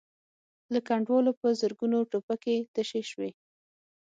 له کنډوالو په زرګونو ټوپکې تشې شوې.